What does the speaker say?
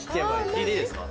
引いていいですか？